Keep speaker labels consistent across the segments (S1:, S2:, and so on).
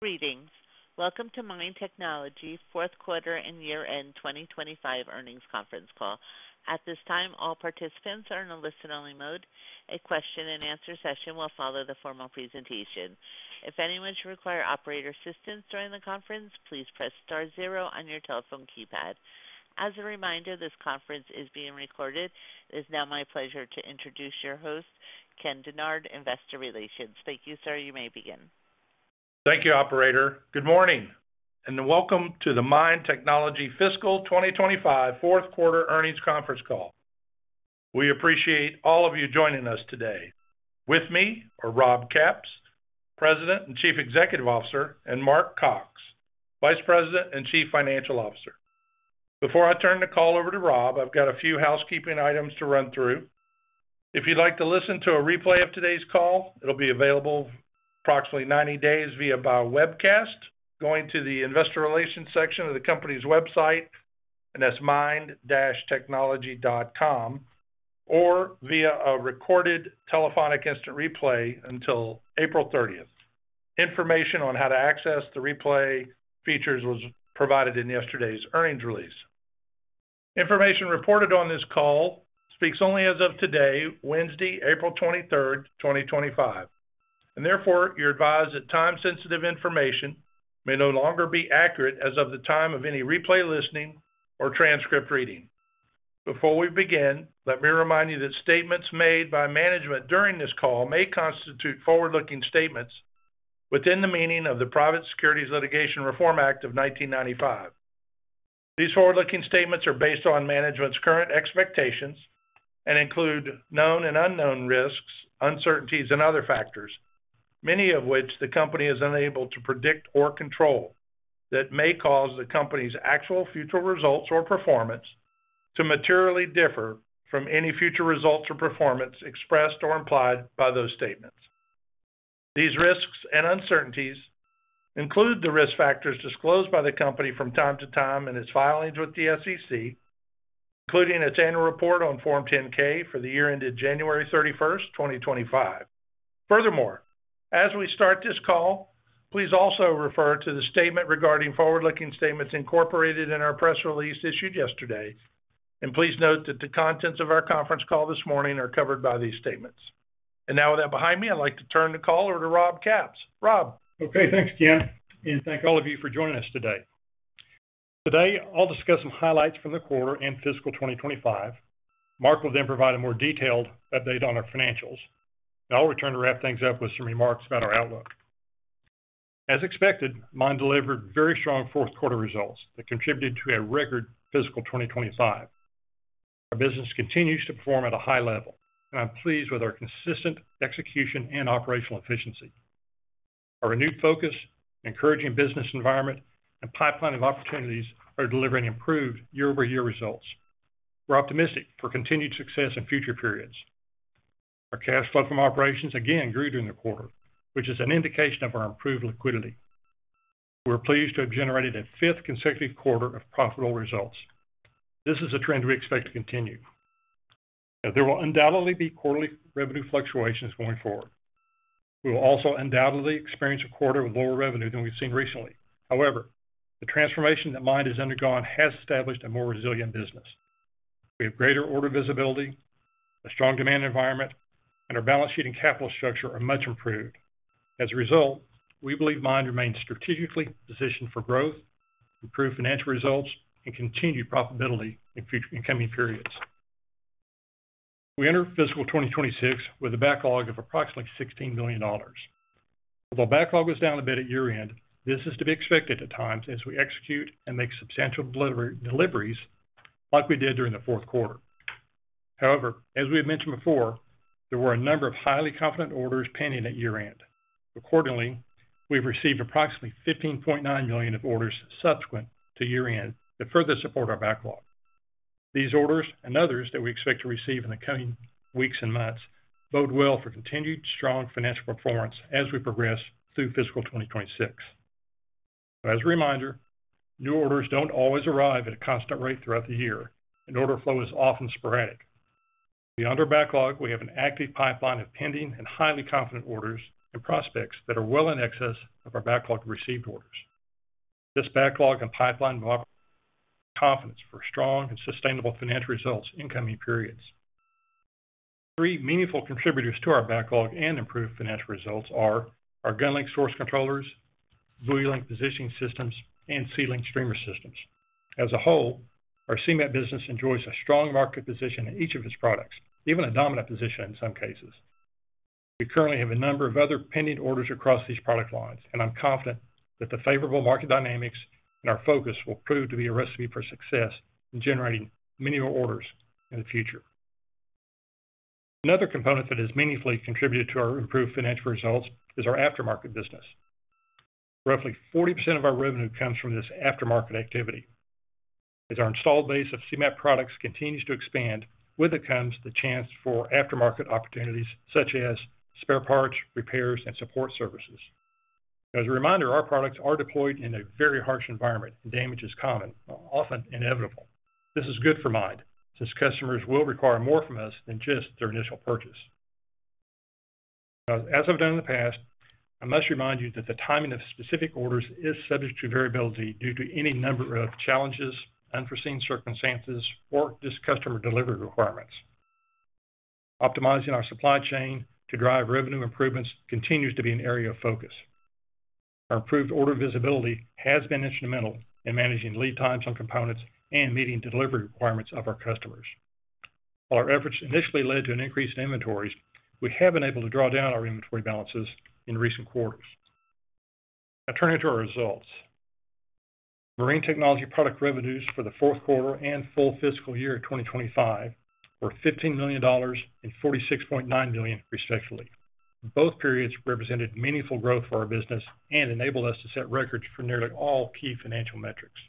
S1: Greetings. Welcome to MIND Technology's fourth quarter and year-end 2025 earnings conference call. At this time, all participants are in a listen-only mode. A question-and-answer session will follow the formal presentation. If anyone should require operator assistance during the conference, please press star zero on your telephone keypad. As a reminder, this conference is being recorded. It is now my pleasure to introduce your host, Ken Dennard, Investor Relations. Thank you, sir. You may begin.
S2: Thank you, Operator. Good morning and welcome to the MIND Technology Fiscal 2025 fourth quarter earnings conference call. We appreciate all of you joining us today. With me, Rob Capps, President and Chief Executive Officer, and Mark Cox, Vice President and Chief Financial Officer. Before I turn the call over to Rob, I've got a few housekeeping items to run through. If you'd like to listen to a replay of today's call, it'll be available approximately 90 days via our webcast, going to the Investor Relations section of the company's website, and that's mind-technology.com, or via a recorded telephonic instant replay until April 30th. Information on how to access the replay features was provided in yesterday's earnings release. Information reported on this call speaks only as of today, Wednesday, April 23rd, 2025. You are advised that time-sensitive information may no longer be accurate as of the time of any replay listening or transcript reading. Before we begin, let me remind you that statements made by management during this call may constitute forward-looking statements within the meaning of the Private Securities Litigation Reform Act of 1995. These forward-looking statements are based on management's current expectations and include known and unknown risks, uncertainties, and other factors, many of which the company is unable to predict or control that may cause the company's actual future results or performance to materially differ from any future results or performance expressed or implied by those statements. These risks and uncertainties include the risk factors disclosed by the company from time to time in its filings with the SEC, including its annual report on form 10-K for the year ended January 31, 2025. Furthermore, as we start this call, please also refer to the statement regarding forward-looking statements incorporated in our press release issued yesterday. Please note that the contents of our conference call this morning are covered by these statements. With that behind me, I'd like to turn the call over to Rob Capps. Rob.
S3: Okay. Thanks, Ken. Thank all of you for joining us today. Today, I'll discuss some highlights from the quarter and fiscal 2025. Mark will then provide a more detailed update on our financials. I'll return to wrap things up with some remarks about our outlook. As expected, MIND delivered very strong fourth quarter results that contributed to a record fiscal 2025. Our business continues to perform at a high level, and I'm pleased with our consistent execution and operational efficiency. Our renewed focus, encouraging business environment, and pipeline of opportunities are delivering improved year-over-year results. We're optimistic for continued success in future periods. Our cash flow from operations again grew during the quarter, which is an indication of our improved liquidity. We're pleased to have generated a fifth consecutive quarter of profitable results. This is a trend we expect to continue. There will undoubtedly be quarterly revenue fluctuations going forward. We will also undoubtedly experience a quarter with lower revenue than we've seen recently. However, the transformation that MIND Technology has undergone has established a more resilient business. We have greater order visibility, a strong demand environment, and our balance sheet and capital structure are much improved. As a result, we believe MIND Technology remains strategically positioned for growth, improved financial results, and continued profitability in incoming periods. We enter fiscal 2026 with a backlog of approximately $16 million. Although the backlog was down a bit at year-end, this is to be expected at times as we execute and make substantial deliveries like we did during the fourth quarter. However, as we have mentioned before, there were a number of highly confident orders pending at year-end. Accordingly, we've received approximately $15.9 million of orders subsequent to year-end that further support our backlog. These orders and others that we expect to receive in the coming weeks and months bode well for continued strong financial performance as we progress through fiscal 2026. As a reminder, new orders do not always arrive at a constant rate throughout the year. Order flow is often sporadic. Beyond our backlog, we have an active pipeline of pending and highly confident orders and prospects that are well in excess of our backlog of received orders. This backlog and pipeline confidence for strong and sustainable financial results in incoming periods. Three meaningful contributors to our backlog and improved financial results are our GunLink source controllers, BuoyLink positioning systems, and SeaLink streamer systems. As a whole, our CMAT business enjoys a strong market position in each of its products, even a dominant position in some cases. We currently have a number of other pending orders across these product lines, and I'm confident that the favorable market dynamics and our focus will prove to be a recipe for success in generating many more orders in the future. Another component that has meaningfully contributed to our improved financial results is our aftermarket business. Roughly 40% of our revenue comes from this aftermarket activity. As our installed base of CMAT products continues to expand, with it comes the chance for aftermarket opportunities such as spare parts, repairs, and support services. As a reminder, our products are deployed in a very harsh environment, and damage is common, often inevitable. This is good for MIND since customers will require more from us than just their initial purchase. As I've done in the past, I must remind you that the timing of specific orders is subject to variability due to any number of challenges, unforeseen circumstances, or just customer delivery requirements. Optimizing our supply chain to drive revenue improvements continues to be an area of focus. Our improved order visibility has been instrumental in managing lead times on components and meeting the delivery requirements of our customers. While our efforts initially led to an increase in inventories, we have been able to draw down our inventory balances in recent quarters. Now, turning to our results. Marine Technology product revenues for the fourth quarter and full fiscal year 2025 were $15 million and $46.9 million, respectively. Both periods represented meaningful growth for our business and enabled us to set records for nearly all key financial metrics.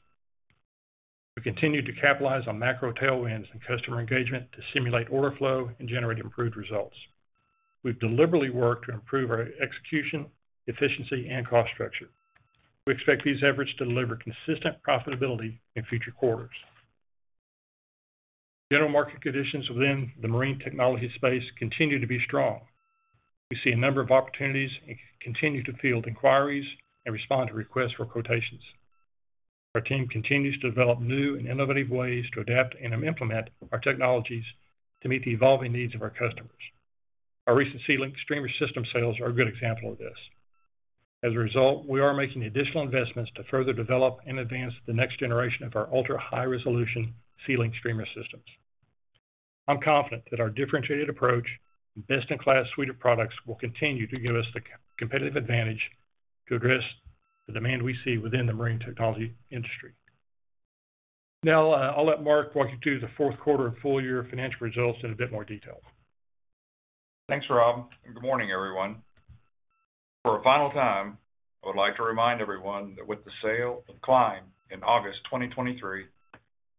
S3: We continued to capitalize on macro tailwinds and customer engagement to stimulate order flow and generate improved results. We've deliberately worked to improve our execution, efficiency, and cost structure. We expect these efforts to deliver consistent profitability in future quarters. General market conditions within the marine technology space continue to be strong. We see a number of opportunities and continue to field inquiries and respond to requests for quotations. Our team continues to develop new and innovative ways to adapt and implement our technologies to meet the evolving needs of our customers. Our recent SeaLink streamer system sales are a good example of this. As a result, we are making additional investments to further develop and advance the next generation of our ultra-high-resolution SeaLink streamer systems. I'm confident that our differentiated approach and best-in-class suite of products will continue to give us the competitive advantage to address the demand we see within the marine technology industry. Now, I'll let Mark walk you through the fourth quarter and full-year financial results in a bit more detail.
S4: Thanks, Rob. Good morning, everyone. For a final time, I would like to remind everyone that with the sale of Klein in August 2023,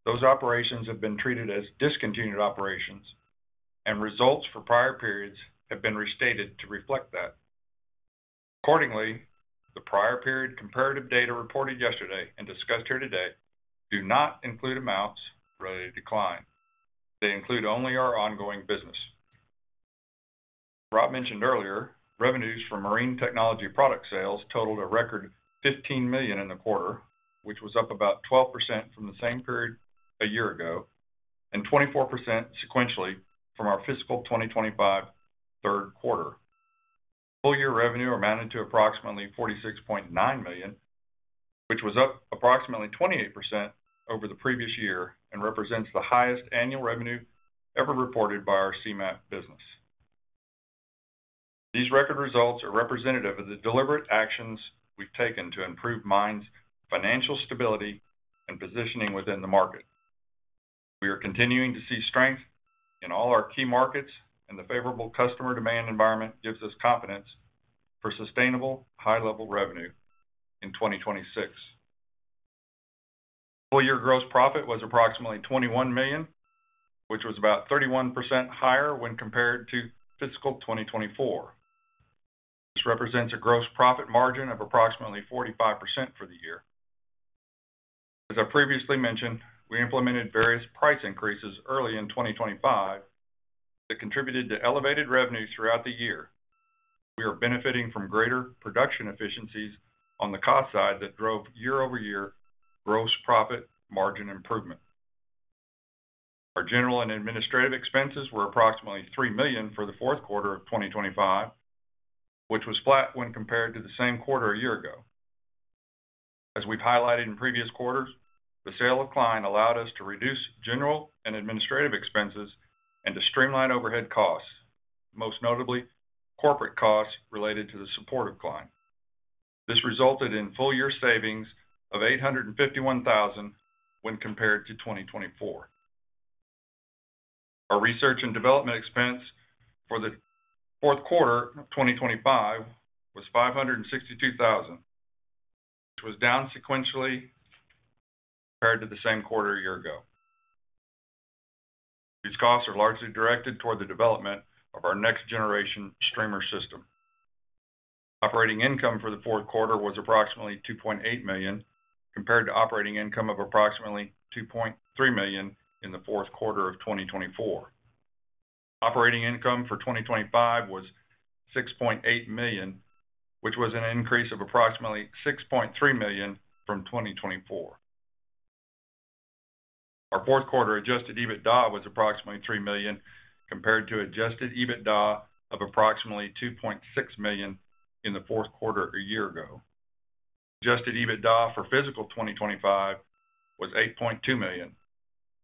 S4: those operations have been treated as discontinued operations, and results for prior periods have been restated to reflect that. Accordingly, the prior period comparative data reported yesterday and discussed here today do not include amounts related to Klein. They include only our ongoing business. As Rob mentioned earlier, revenues from marine technology product sales totaled a record $15 million in the quarter, which was up about 12% from the same period a year ago and 24% sequentially from our fiscal 2025 third quarter. Full-year revenue amounted to approximately $46.9 million, which was up approximately 28% over the previous year and represents the highest annual revenue ever reported by our CMAT business. These record results are representative of the deliberate actions we've taken to improve MIND's financial stability and positioning within the market. We are continuing to see strength in all our key markets, and the favorable customer demand environment gives us confidence for sustainable high-level revenue in 2026. Full-year gross profit was approximately $21 million, which was about 31% higher when compared to fiscal 2024. This represents a gross profit margin of approximately 45% for the year. As I previously mentioned, we implemented various price increases early in 2025 that contributed to elevated revenue throughout the year. We are benefiting from greater production efficiencies on the cost side that drove year-over-year gross profit margin improvement. Our general and administrative expenses were approximately $3 million for the fourth quarter of 2025, which was flat when compared to the same quarter a year ago. As we've highlighted in previous quarters, the sale of Klein allowed us to reduce general and administrative expenses and to streamline overhead costs, most notably corporate costs related to the support of Klein. This resulted in full-year savings of $851,000 when compared to 2024. Our research and development expense for the fourth quarter of 2025 was $562,000, which was down sequentially compared to the same quarter a year ago. These costs are largely directed toward the development of our next-generation streamer system. Operating income for the fourth quarter was approximately $2.8 million compared to operating income of approximately $2.3 million in the fourth quarter of 2024. Operating income for 2025 was $6.8 million, which was an increase of approximately $6.3 million from 2024. Our fourth quarter adjusted EBITDA was approximately $3 million compared to adjusted EBITDA of approximately $2.6 million in the fourth quarter a year ago. Adjusted EBITDA for fiscal 2025 was $8.2 million,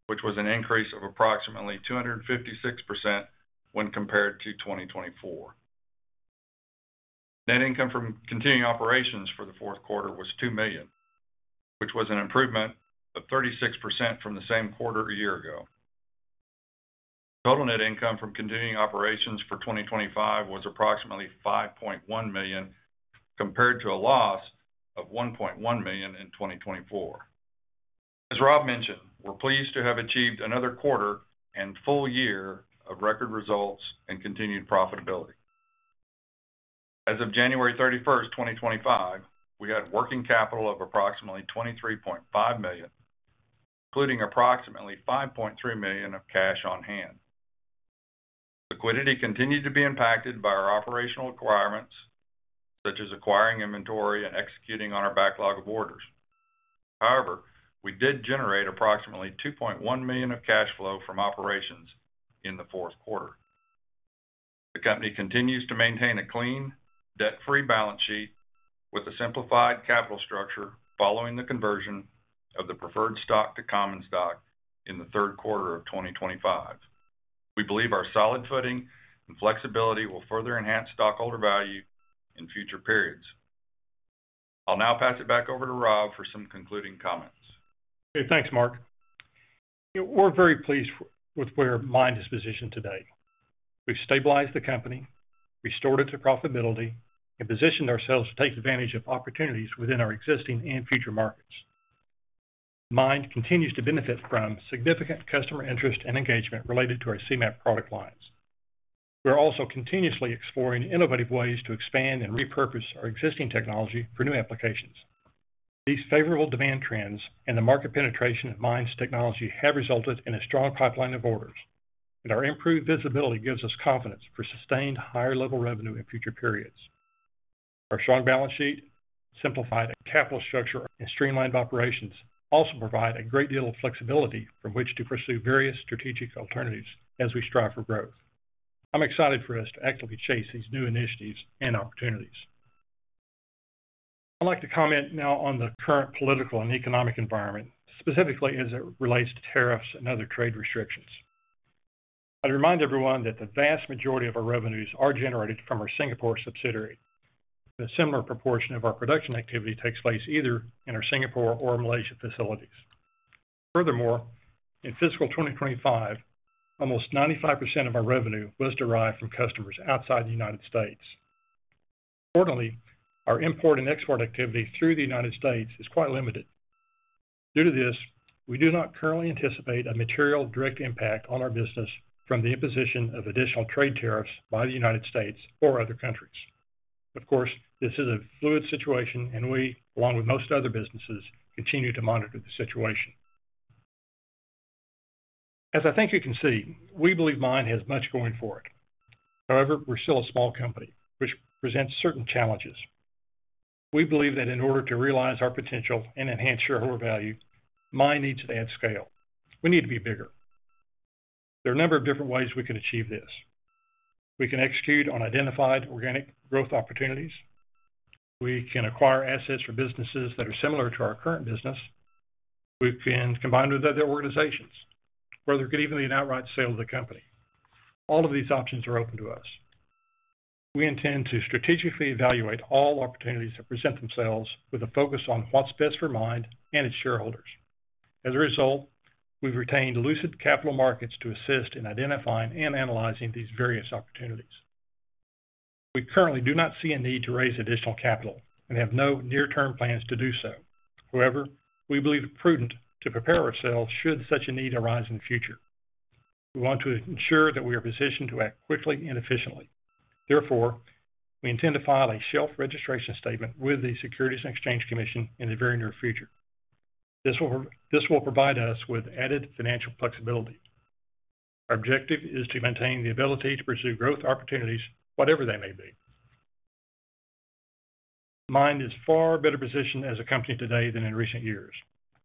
S4: which was an increase of approximately 256% when compared to 2024. Net income from continuing operations for the fourth quarter was $2 million, which was an improvement of 36% from the same quarter a year ago. Total net income from continuing operations for 2025 was approximately $5.1 million compared to a loss of $1.1 million in 2024. As Rob mentioned, we're pleased to have achieved another quarter and full year of record results and continued profitability. As of January 31st, 2025, we had working capital of approximately $23.5 million, including approximately $5.3 million of cash on hand. Liquidity continued to be impacted by our operational requirements, such as acquiring inventory and executing on our backlog of orders. However, we did generate approximately $2.1 million of cash flow from operations in the fourth quarter. The company continues to maintain a clean, debt-free balance sheet with a simplified capital structure following the conversion of the preferred stock to common stock in the third quarter of 2025. We believe our solid footing and flexibility will further enhance stockholder value in future periods. I'll now pass it back over to Rob for some concluding comments.
S3: Okay. Thanks, Mark. We're very pleased with where MIND is positioned today. We've stabilized the company, restored it to profitability, and positioned ourselves to take advantage of opportunities within our existing and future markets. MIND continues to benefit from significant customer interest and engagement related to our CMAT product lines. We're also continuously exploring innovative ways to expand and repurpose our existing technology for new applications. These favorable demand trends and the market penetration of MIND's technology have resulted in a strong pipeline of orders, and our improved visibility gives us confidence for sustained higher-level revenue in future periods. Our strong balance sheet, simplified capital structure, and streamlined operations also provide a great deal of flexibility from which to pursue various strategic alternatives as we strive for growth. I'm excited for us to actively chase these new initiatives and opportunities. I'd like to comment now on the current political and economic environment, specifically as it relates to tariffs and other trade restrictions. I'd remind everyone that the vast majority of our revenues are generated from our Singapore subsidiary, but a similar proportion of our production activity takes place either in our Singapore or Malaysia facilities. Furthermore, in fiscal 2025, almost 95% of our revenue was derived from customers outside the U.S. Importantly, our import and export activity through the U.S. is quite limited. Due to this, we do not currently anticipate a material direct impact on our business from the imposition of additional trade tariffs by the U.S. or other countries. Of course, this is a fluid situation, and we, along with most other businesses, continue to monitor the situation. As I think you can see, we believe MIND has much going for it. However, we're still a small company, which presents certain challenges. We believe that in order to realize our potential and enhance shareholder value, MIND needs to add scale. We need to be bigger. There are a number of different ways we can achieve this. We can execute on identified organic growth opportunities. We can acquire assets or businesses that are similar to our current business. We can combine with other organizations, or there could even be an outright sale of the company. All of these options are open to us. We intend to strategically evaluate all opportunities that present themselves with a focus on what's best for MIND and its shareholders. As a result, we've retained Lucid Capital Markets to assist in identifying and analyzing these various opportunities. We currently do not see a need to raise additional capital and have no near-term plans to do so. However, we believe it's prudent to prepare ourselves should such a need arise in the future. We want to ensure that we are positioned to act quickly and efficiently. Therefore, we intend to file a shelf registration statement with the Securities and Exchange Commission in the very near future. This will provide us with added financial flexibility. Our objective is to maintain the ability to pursue growth opportunities, whatever they may be. MIND is far better positioned as a company today than in recent years,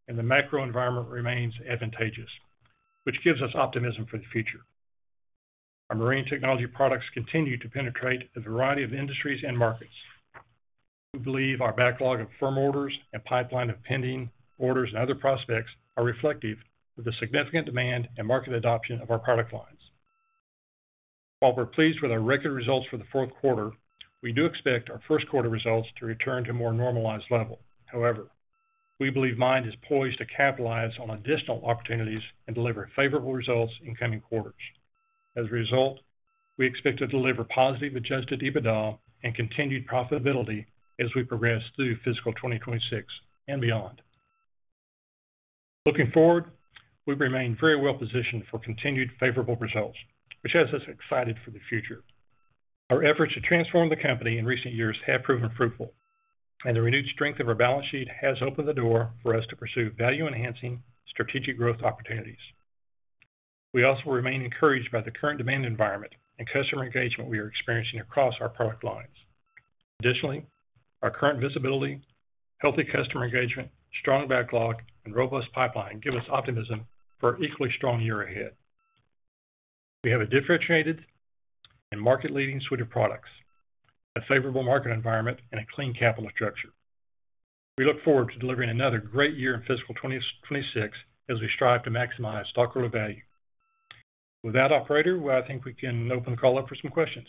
S3: and the macro environment remains advantageous, which gives us optimism for the future. Our marine technology products continue to penetrate a variety of industries and markets. We believe our backlog of firm orders and pipeline of pending orders and other prospects are reflective of the significant demand and market adoption of our product lines. While we're pleased with our record results for the fourth quarter, we do expect our first quarter results to return to a more normalized level. However, we believe MIND is poised to capitalize on additional opportunities and deliver favorable results in coming quarters. As a result, we expect to deliver positive adjusted EBITDA and continued profitability as we progress through fiscal 2026 and beyond. Looking forward, we remain very well positioned for continued favorable results, which has us excited for the future. Our efforts to transform the company in recent years have proven fruitful, and the renewed strength of our balance sheet has opened the door for us to pursue value-enhancing strategic growth opportunities. We also remain encouraged by the current demand environment and customer engagement we are experiencing across our product lines. Additionally, our current visibility, healthy customer engagement, strong backlog, and robust pipeline give us optimism for an equally strong year ahead. We have a differentiated and market-leading suite of products, a favorable market environment, and a clean capital structure. We look forward to delivering another great year in fiscal 2026 as we strive to maximize stockholder value. With that, Operator, I think we can open the call up for some questions.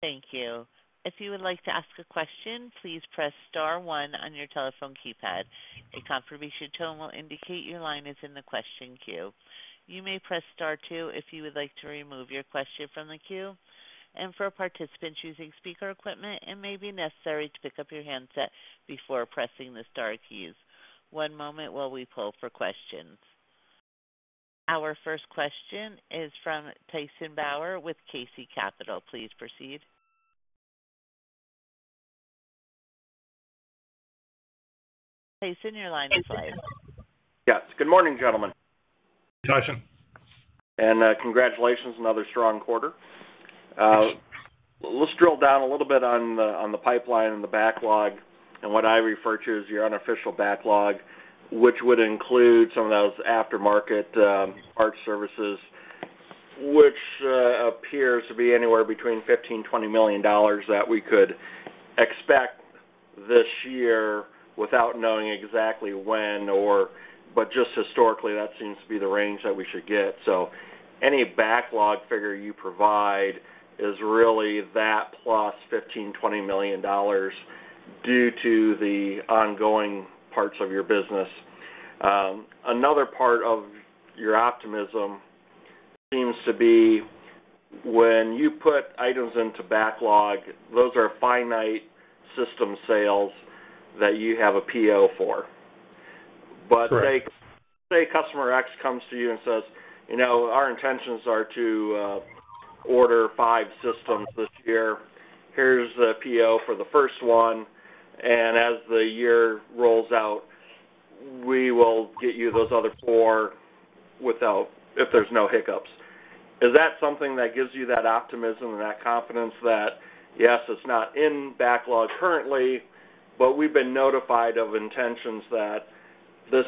S1: Thank you. If you would like to ask a question, please press star one on your telephone keypad. A confirmation tone will indicate your line is in the question queue. You may press star two if you would like to remove your question from the queue. For participants using speaker equipment, it may be necessary to pick up your handset before pressing the star keys. One moment while we pull for questions. Our first question is from Tyson Bauer with KC Capital. Please proceed. Tyson, your line is live.
S5: Yes. Good morning, gentlemen.
S3: Tyson.
S5: Congratulations on another strong quarter. Let's drill down a little bit on the pipeline and the backlog and what I refer to as your unofficial backlog, which would include some of those aftermarket parts services, which appears to be anywhere between $15 million and $20 million that we could expect this year without knowing exactly when, but just historically, that seems to be the range that we should get. Any backlog figure you provide is really that plus $15 million-$20 million due to the ongoing parts of your business. Another part of your optimism seems to be when you put items into backlog, those are finite system sales that you have a PO for. Say customer x comes to you and says, "Our intentions are to order five systems this year. Here's the PO for the first one. As the year rolls out, we will get you those other four if there's no hiccups. Is that something that gives you that optimism and that confidence that, yes, it's not in backlog currently, but we've been notified of intentions that this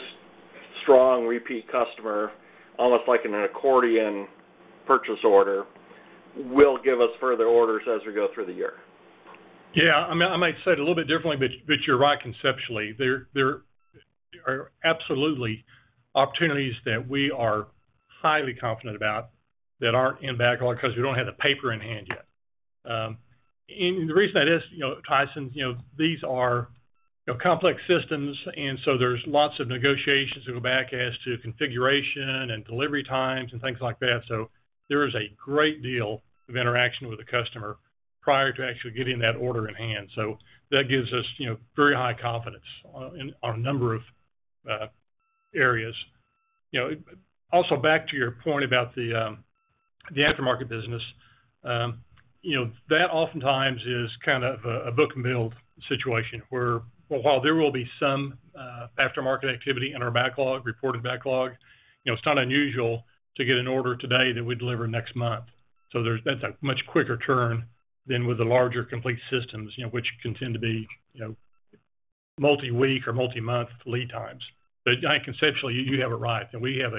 S5: strong repeat customer, almost like an accordion purchase order, will give us further orders as we go through the year?
S3: Yeah. I might say it a little bit differently, but you're right conceptually. There are absolutely opportunities that we are highly confident about that aren't in backlog because we don't have the paper in hand yet. The reason that is, Tyson, these are complex systems, and so there's lots of negotiations to go back as to configuration and delivery times and things like that. There is a great deal of interaction with the customer prior to actually getting that order in hand. That gives us very high confidence on a number of areas. Also, back to your point about the aftermarket business, that oftentimes is kind of a book and build situation where, while there will be some aftermarket activity in our backlog, reported backlog, it's not unusual to get an order today that we deliver next month. That is a much quicker turn than with the larger complete systems, which can tend to be multi-week or multi-month lead times. Conceptually, you have it right. We have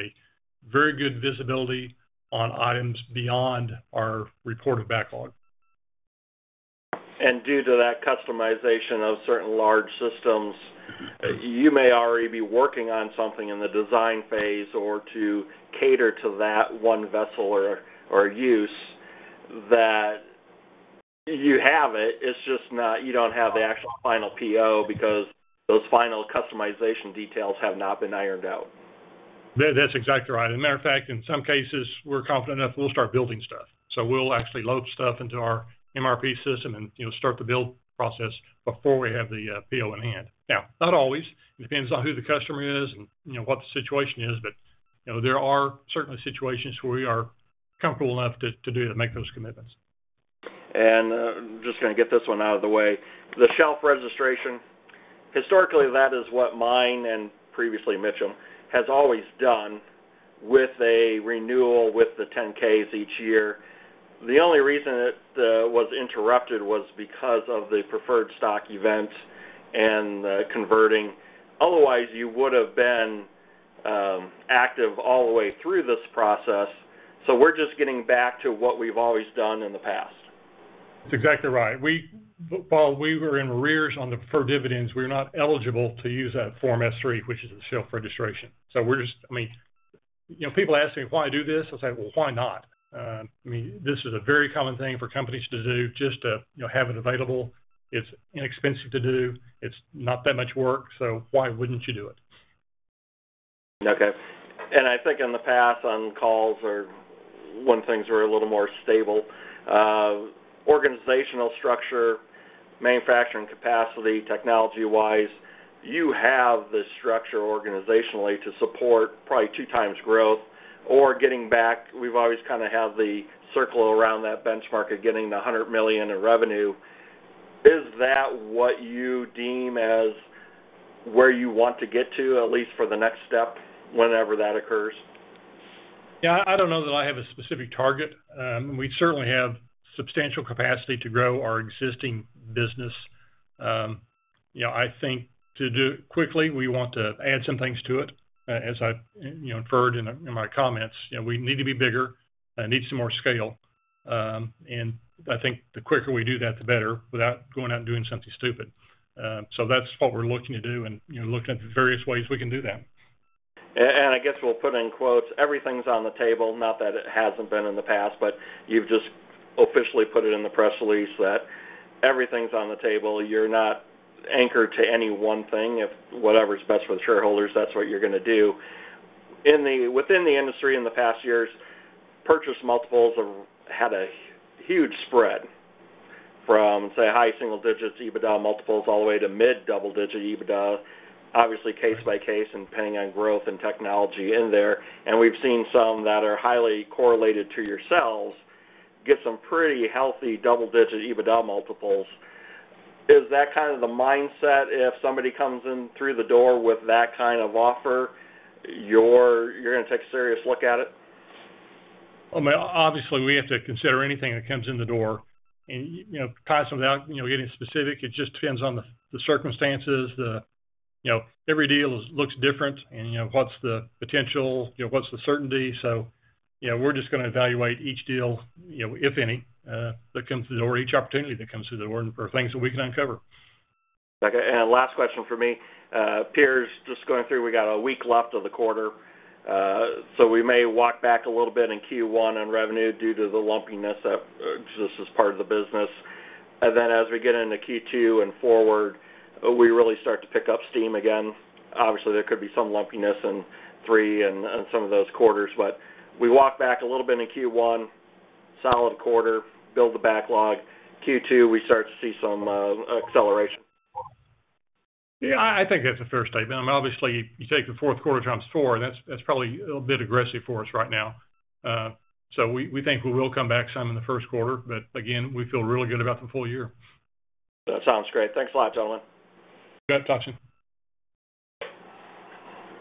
S3: very good visibility on items beyond our reported backlog.
S5: Due to that customization of certain large systems, you may already be working on something in the design phase or to cater to that one vessel or use that you have it. It's just not you don't have the actual final PO because those final customization details have not been ironed out.
S3: That's exactly right. As a matter of fact, in some cases, we're confident enough we'll start building stuff. We'll actually load stuff into our MRP system and start the build process before we have the PO in hand. Not always. It depends on who the customer is and what the situation is. There are certainly situations where we are comfortable enough to make those commitments.
S5: I'm just going to get this one out of the way. The shelf registration, historically, that is what MIND and previously Mitchell has always done with a renewal with the 10-Ks each year. The only reason it was interrupted was because of the preferred stock event and converting. Otherwise, you would have been active all the way through this process. We're just getting back to what we've always done in the past.
S3: That's exactly right. While we were in arrears on the for dividends, we're not eligible to use that form S-3, which is a shelf registration. I mean, people ask me, "Why do this?" I say, "Why not?" I mean, this is a very common thing for companies to do, just to have it available. It's inexpensive to do. It's not that much work. So why wouldn't you do it?
S5: Okay. I think in the past, on calls or when things were a little more stable, organizational structure, manufacturing capacity, technology-wise, you have the structure organizationally to support probably two times growth or getting back. We've always kind of had the circle around that benchmark of getting the $100 million in revenue. Is that what you deem as where you want to get to, at least for the next step whenever that occurs?
S3: Yeah. I don't know that I have a specific target. We certainly have substantial capacity to grow our existing business. I think to do it quickly, we want to add some things to it. As I inferred in my comments, we need to be bigger and need some more scale. I think the quicker we do that, the better without going out and doing something stupid. That is what we're looking to do and looking at various ways we can do that.
S5: I guess we'll put in quotes, "Everything's on the table," not that it hasn't been in the past, but you've just officially put it in the press release that everything's on the table. You're not anchored to any one thing. If whatever's best for the shareholders, that's what you're going to do. Within the industry in the past years, purchase multiples have had a huge spread from, say, high single-digit EBITDA multiples all the way to mid double-digit EBITDA, obviously case by case and depending on growth and technology in there. We've seen some that are highly correlated to yourselves get some pretty healthy double-digit EBITDA multiples. Is that kind of the mindset if somebody comes in through the door with that kind of offer? You're going to take a serious look at it?
S3: I mean, obviously, we have to consider anything that comes in the door. Tyson, without getting specific, it just depends on the circumstances. Every deal looks different and what's the potential, what's the certainty. We are just going to evaluate each deal, if any, that comes through the door, each opportunity that comes through the door for things that we can uncover.
S5: Okay. Last question for me. Peers, just going through, we got a week left of the quarter. We may walk back a little bit in Q1 on revenue due to the lumpiness that just is part of the business. As we get into Q2 and forward, we really start to pick up steam again. Obviously, there could be some lumpiness in three and some of those quarters, but we walk back a little bit in Q1, solid quarter, build the backlog. Q2, we start to see some acceleration.
S3: Yeah. I think that's a fair statement. I mean, obviously, you take the fourth quarter times four, and that's probably a little bit aggressive for us right now. We think we will come back some in the first quarter, but again, we feel really good about the full year.
S5: That sounds great. Thanks a lot, gentlemen.
S3: You bet, Tyson.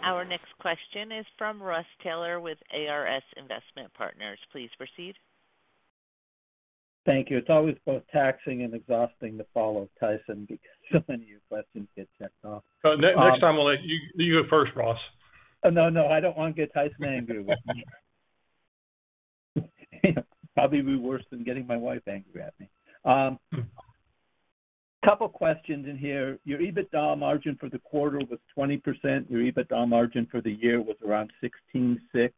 S1: Our next question is from Ross Taylor with ARS Investment Partners. Please proceed.
S6: Thank you. It's always both taxing and exhausting to follow Tyson because so many of your questions get checked off.
S3: Next time, you go first, Ross.
S6: No, no. I don't want to get Tyson angry with me. Probably be worse than getting my wife angry at me. A couple of questions in here. Your EBITDA margin for the quarter was 20%. Your EBITDA margin for the year was around 16.6%.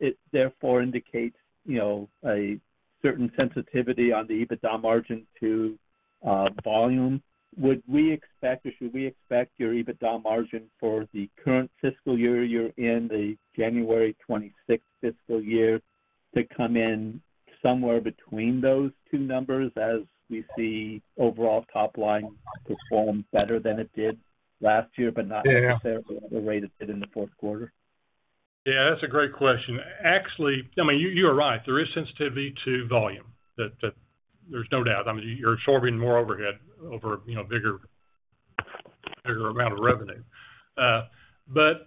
S6: It, therefore, indicates a certain sensitivity on the EBITDA margin to volume. Would we expect or should we expect your EBITDA margin for the current fiscal year you're in, the January 26th fiscal year, to come in somewhere between those two numbers as we see overall top line perform better than it did last year, but not necessarily at the rate it did in the fourth quarter?
S3: Yeah. That's a great question. Actually, I mean, you are right. There is sensitivity to volume. There's no doubt. I mean, you're absorbing more overhead over a bigger amount of revenue.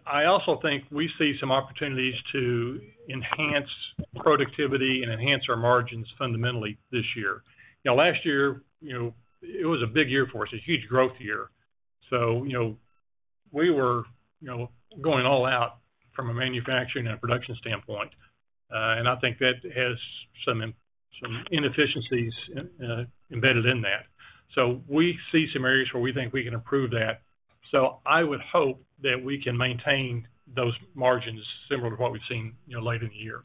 S3: I also think we see some opportunities to enhance productivity and enhance our margins fundamentally this year. Last year, it was a big year for us. It was a huge growth year. We were going all out from a manufacturing and production standpoint. I think that has some inefficiencies embedded in that. We see some areas where we think we can improve that. I would hope that we can maintain those margins similar to what we've seen late in the year.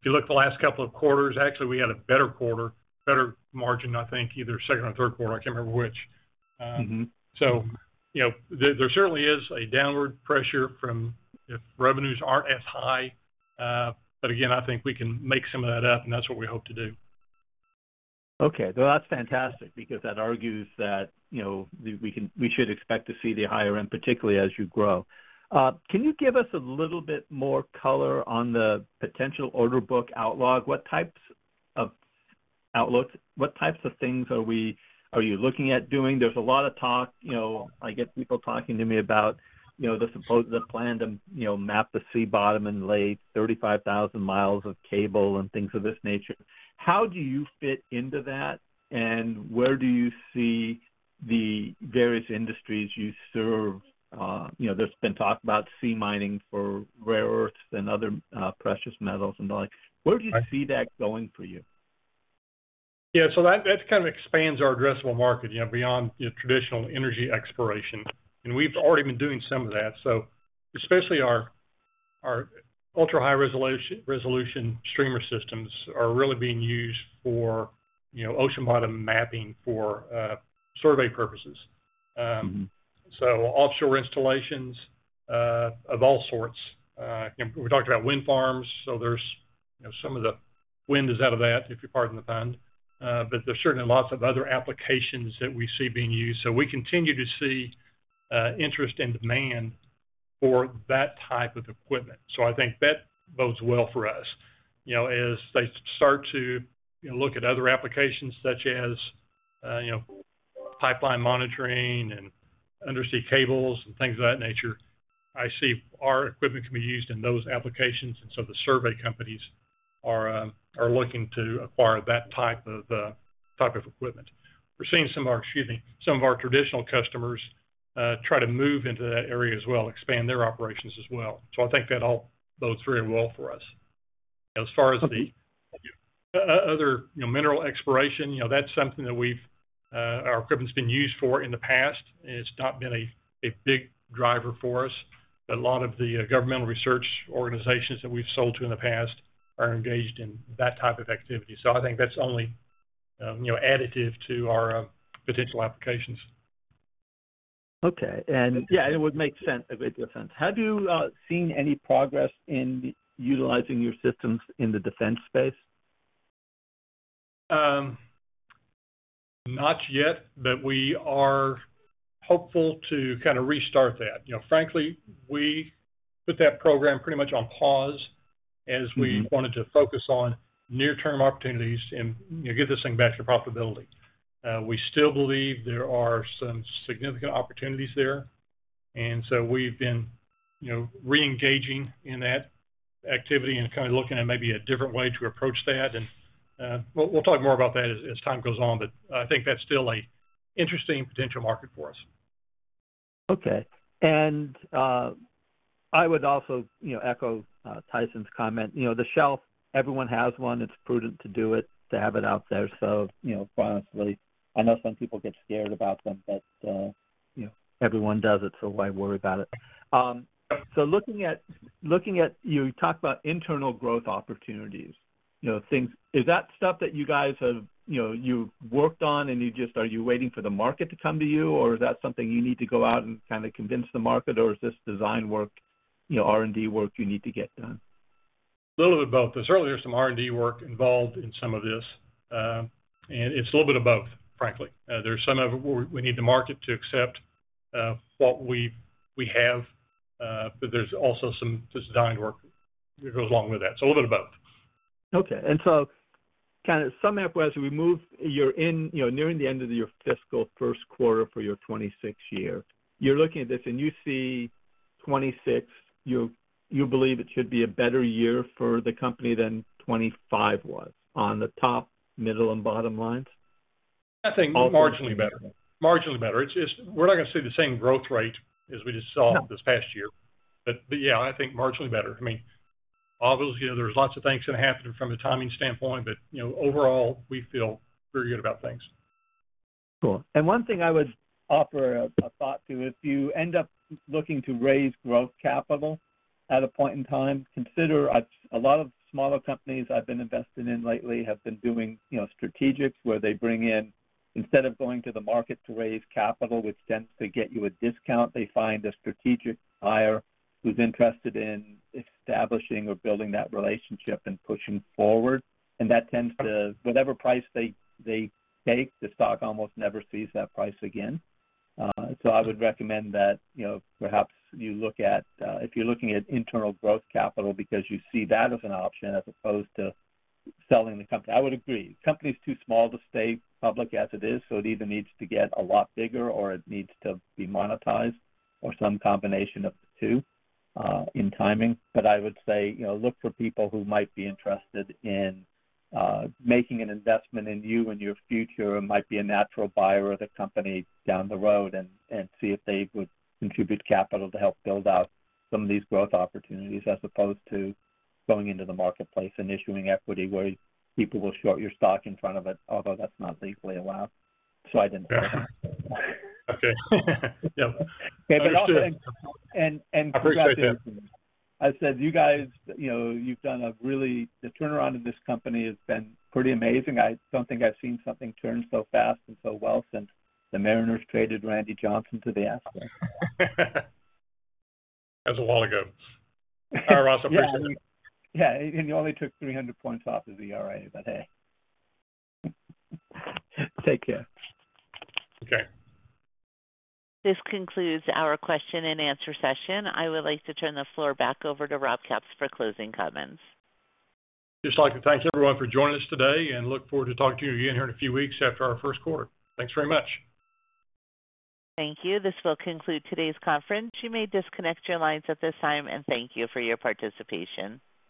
S3: If you look at the last couple of quarters, actually, we had a better quarter, better margin, I think, either second or third quarter. I can't remember which. There certainly is a downward pressure from if revenues aren't as high. Again, I think we can make some of that up, and that's what we hope to do.
S6: Okay. That's fantastic because that argues that we should expect to see the higher end, particularly as you grow. Can you give us a little bit more color on the potential order book outlook? What types of outlook? What types of things are you looking at doing? There's a lot of talk. I get people talking to me about the plan to map the sea bottom and lay 35,000 mi of cable and things of this nature. How do you fit into that? Where do you see the various industries you serve? There's been talk about sea mining for rare earths and other precious metals and the like. Where do you see that going for you?
S3: Yeah. That kind of expands our addressable market beyond traditional energy exploration. We've already been doing some of that. Especially our ultra-high resolution streamer systems are really being used for ocean bottom mapping for survey purposes. Offshore installations of all sorts. We talked about wind farms. Some of the wind is out of that if you're part of the fund. There are certainly lots of other applications that we see being used. We continue to see interest and demand for that type of equipment. I think that bodes well for us. As they start to look at other applications such as pipeline monitoring and undersea cables and things of that nature, I see our equipment can be used in those applications. The survey companies are looking to acquire that type of equipment. We're seeing some of our—excuse me—some of our traditional customers try to move into that area as well, expand their operations as well. I think that all bodes very well for us. As far as the other mineral exploration, that's something that our equipment's been used for in the past. It's not been a big driver for us. A lot of the governmental research organizations that we've sold to in the past are engaged in that type of activity. I think that's only additive to our potential applications.
S6: Okay. Yeah, it would make a bit of sense. Have you seen any progress in utilizing your systems in the defense space?
S3: Not yet, but we are hopeful to kind of restart that. Frankly, we put that program pretty much on pause as we wanted to focus on near-term opportunities and get this thing back to profitability. We still believe there are some significant opportunities there. We have been re-engaging in that activity and kind of looking at maybe a different way to approach that. We will talk more about that as time goes on. I think that is still an interesting potential market for us.
S6: Okay. I would also echo Tyson's comment. The shelf, everyone has one. It's prudent to do it, to have it out there. Honestly, I know some people get scared about them, but everyone does it, so why worry about it? Looking at you talked about internal growth opportunities. Is that stuff that you guys have worked on, and are you waiting for the market to come to you, or is that something you need to go out and kind of convince the market, or is this design work, R&D work you need to get done?
S3: A little bit of both. There's certainly some R&D work involved in some of this. It's a little bit of both, frankly. There's some of it where we need the market to accept what we have. There's also some design work that goes along with that. A little bit of both.
S6: Okay. And so kind of sum up, as we move nearing the end of your fiscal first quarter for your 26th year, you're looking at this, and you see 26, you believe it should be a better year for the company than 25 was on the top, middle, and bottom lines?
S3: I think marginally better. Marginally better. We're not going to see the same growth rate as we just saw this past year. Yeah, I think marginally better. I mean, obviously, there's lots of things that happen from a timing standpoint, but overall, we feel very good about things.
S6: Cool. One thing I would offer a thought to, if you end up looking to raise growth capital at a point in time, consider a lot of smaller companies I've been invested in lately have been doing strategics where they bring in, instead of going to the market to raise capital, which tends to get you a discount, they find a strategic buyer who's interested in establishing or building that relationship and pushing forward. That tends to, whatever price they take, the stock almost never sees that price again. I would recommend that perhaps you look at, if you're looking at internal growth capital, because you see that as an option as opposed to selling the company. I would agree. The company's too small to stay public as it is, so it either needs to get a lot bigger or it needs to be monetized or some combination of the two in timing. I would say look for people who might be interested in making an investment in you and your future and might be a natural buyer of the company down the road and see if they would contribute capital to help build out some of these growth opportunities as opposed to going into the marketplace and issuing equity where people will short your stock in front of it, although that's not legally allowed. I didn't say that.
S3: Okay. Yep.
S6: Okay. I forgot to ask you, I said, "You guys, you've done a really—the turnaround of this company has been pretty amazing. I don't think I've seen something turn so fast and so well since the Mariners traded Randy Johnson to the Astros.
S3: That was a while ago. All right, Ross, appreciate it.
S6: Yeah. You only took 300 points off of the RA, but hey. Take care.
S3: Okay.
S1: This concludes our question-and answer session. I would like to turn the floor back over to Rob Capps for closing comments.
S3: Just like to thank everyone for joining us today and look forward to talking to you again here in a few weeks after our first quarter. Thanks very much.
S1: Thank you. This will conclude today's conference. You may disconnect your lines at this time and thank you for your participation.